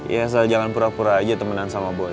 iya saya jangan pura pura aja temenan sama boy